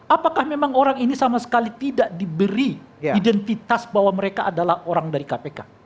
apakah memang orang ini sama sekali tidak diberi identitas bahwa mereka adalah orang dari kpk